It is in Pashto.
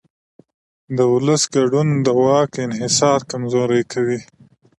د ولس ګډون د واک انحصار کمزوری کوي